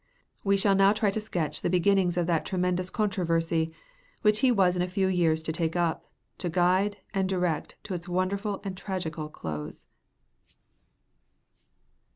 We shall now try to sketch the beginnings of that tremendous controversy which he was in a few years to take up, to guide and direct to its wonderful and tragical close.